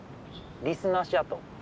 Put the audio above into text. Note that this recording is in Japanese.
リスの足跡。